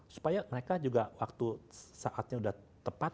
supaya mereka juga waktu saatnya sudah tepat